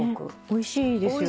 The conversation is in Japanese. おいしいですよね。